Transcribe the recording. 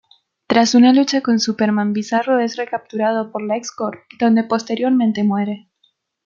Tras una lucha con Superman, Bizarro es recapturado por LexCorp donde posteriormente muere.